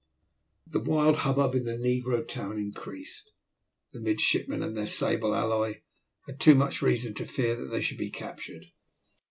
The wild hubbub in the negro town increased. The midshipmen and their sable ally had too much reason to fear that they should be captured.